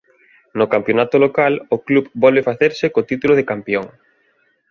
No campionato local o club volve facerse co título de campión.